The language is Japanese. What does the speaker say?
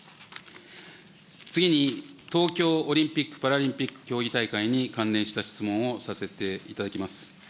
次に東京オリンピック・パラリンピック競技大会に関連した質問をさせていただきます。